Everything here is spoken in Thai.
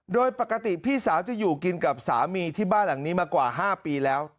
โดยปกติพี่สาวจะอยู่กินกับสามีที่บ้านหลังนี้มากว่า๕ปีแล้ว